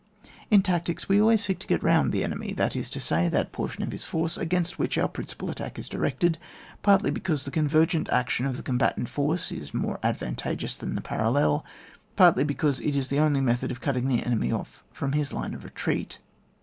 In tactics, we seek always to get round the enemy, that is to say, that portion of his force against which our principal attack is directed, partly because the convergent action of the combatant force is more advantageous than the parallel, partly because it is the only method of cutting the enemy off £rom his line of retreat.